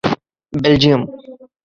Belgium